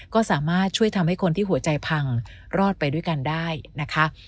ก็สามารถช่วยทำให้คนที่หัวใจพังรอดไปด้วยกันได้นะคะ